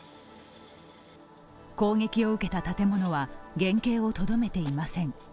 攻撃を受けた建物は原形をとどめていません。